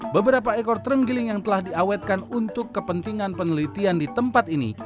beberapa ekor terenggiling yang telah diawetkan untuk kepentingan penelitian di tempat ini